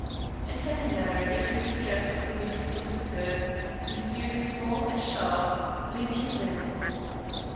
A second letter gave him the address of the lady's solicitors, Messrs. Small & Sharp, Lincoln's Inn.